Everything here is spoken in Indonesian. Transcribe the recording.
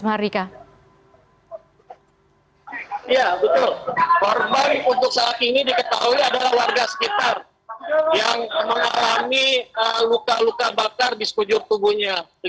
ya betul korban untuk saat ini diketahui adalah warga sekitar yang mengalami luka luka bakar di sekujur tubuhnya